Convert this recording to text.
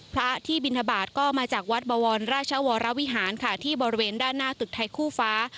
พระที่บินทบาทก็มาจากวัดบวรราชวรวิหารค่ะที่บริเวณด้านหน้าตึกไทยคู่ฟ้า